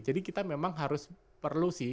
jadi kita memang harus perlu sih